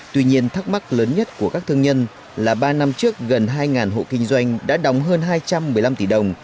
tuy nhiên thắc mắc lớn nhất của các thương nhân là ba năm trước gần hai hộ kinh doanh đã đóng hơn hai trăm một mươi năm tỷ đồng